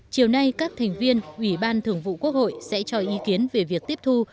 chiều nay các thành viên ủy ban thường vụ quốc hội sẽ cho ý kiến về việc tiếp thu